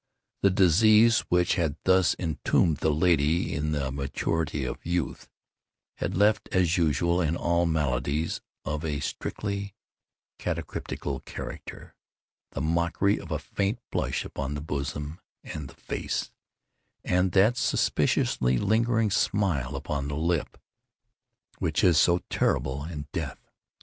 The disease which had thus entombed the lady in the maturity of youth, had left, as usual in all maladies of a strictly cataleptical character, the mockery of a faint blush upon the bosom and the face, and that suspiciously lingering smile upon the lip which is so terrible in death.